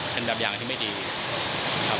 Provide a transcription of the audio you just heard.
เป็นแบบอย่างที่ไม่ดีครับ